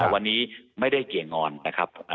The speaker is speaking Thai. วันนี้ไม่ได้เกี่ยงอนนะครับ